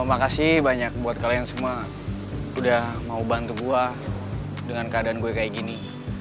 terima kasih banyak buat kalian semua udah mau bantu gue dengan keadaan gue kayak gini